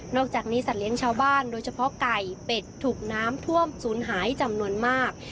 อกจากนี้สัตว์เลี้ยงชาวบ้านโดยเฉพาะไก่เป็ดถูกน้ำท่วมศูนย์หายจำนวนมาก